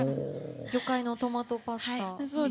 魚介のトマトパスタを。